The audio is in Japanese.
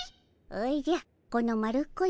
おじゃこの丸っこい